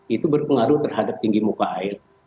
itu berpengaruh terhadap tinggi muka air